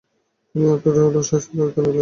তিনি আওধের রাষ্ট্রীয় দায়িত্ব নেন।